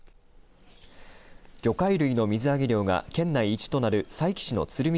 魚介類の水揚げ量が県内一となる佐伯市の鶴見